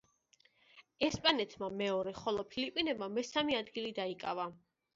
ესპანეთმა მეორე, ხოლო ფილიპინებმა მესამე ადგილი დაიკავა.